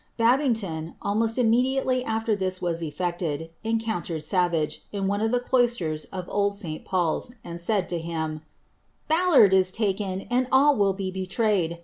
Babington, almost immediately af\er this had been effected, encountered Savage, in one of the cloisters of old St. Paul's, and said to him, ^Ballard is taken, and all will be betrayed.